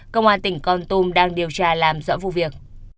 công an tỉnh con tum đang điều tra làm rõ vụ việc